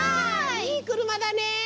いいくるまだね！